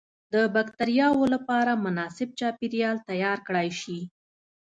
د بکترياوو لپاره مناسب چاپیریال تیار کړای شي.